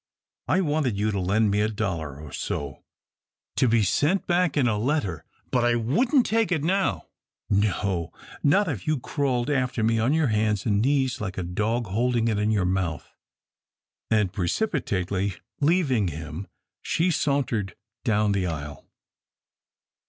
I wanted you to lend me a dollar or so to be sent back in a letter, but I wouldn't take it now no, not if you crawled after me on your hands an' knees like a dog holdin' it in your mouth," and precipitately leaving him, she sauntered down the aisle.